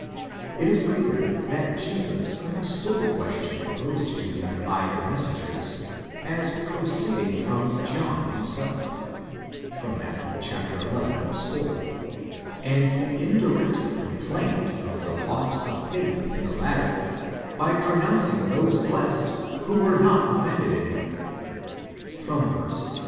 It is clear that Jesus under stood the question proposed to him by the messengers as proceeding from John himself; (ἀπαγγείλατε Ἰωάννῃ, Matt. xi. 43) and he indirectly com plained of the want of faith in the latter by pronouncing those blessed who were not offended in him (ver. 6).